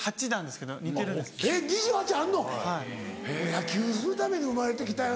野球するために生まれて来たよな。